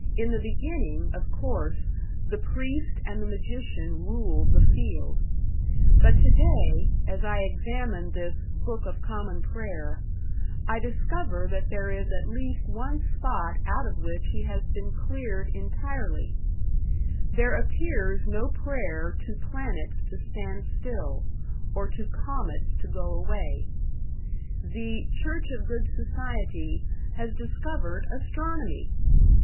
In the beginning, of course, the priest and the magician ruled the field. But today, as I examine this "Book of Common Prayer", I discover that there is at least one spot out of which he has been cleared entirely; there appears no prayer to planets to stand still, or to comets to go away. The "Church of Good Society" has discovered astronomy!